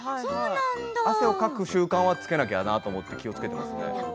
汗をかく習慣をつけなきゃなと気をつけています。